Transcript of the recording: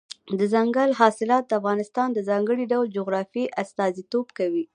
دځنګل حاصلات د افغانستان د ځانګړي ډول جغرافیې استازیتوب کوي.